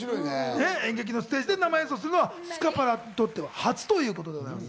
演劇のステージで生演奏をするのはスカパラにとっては初ということ。